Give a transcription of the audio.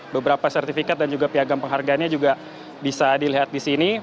beberapa sertifikat dan juga piagam penghargaannya juga bisa dilihat di sini